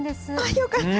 よかった。